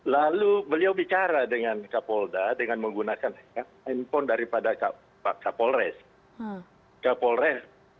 lalu beliau bicara dengan kapolda dengan menggunakan handphone daripada pak kapolres